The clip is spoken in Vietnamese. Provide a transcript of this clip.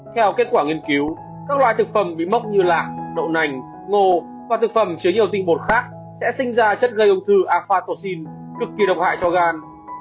theo kết quả nghiên cứu các loại thực phẩm bị mốc như lạc đậu nành ngô và thực phẩm chứa nhiều tinh bột khác sẽ sinh ra chất gây ung thư afatoxin cực kỳ độc hại cho gan